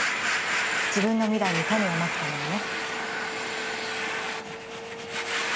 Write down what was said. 自分の未来に種をまくためのね。